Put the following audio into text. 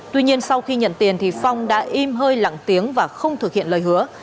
tuy nhiên sau khi nhận tiền thì phong đã im hơi lặng tiếng và không thực hiện lời hứa